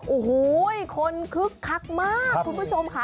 โอ้โหคนคึกคักมากคุณผู้ชมค่ะ